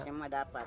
iya semua dapat